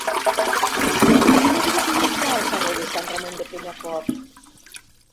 Quines botigues hi ha al carrer de Sant Ramon de Penyafort?